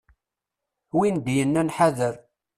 Win d-yennan ḥader.